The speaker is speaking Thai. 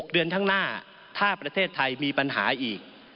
เดือนข้างหน้าถ้าประเทศไทยมีปัญหาอีก